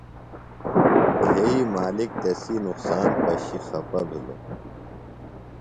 گھئی مالِک تسی نقصان پشیۡ خپہ بِھلوۡ۔